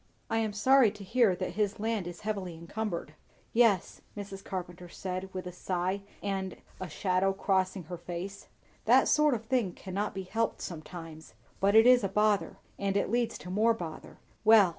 "I am sorry to hear that his land is heavily encumbered." "Yes!" Mrs. Carpenter said with a sigh, and a shadow crossing her face. "That sort of thing cannot be helped sometimes, but it is a bother, and it leads to more bother. Well!